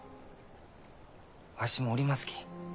わしもおりますき。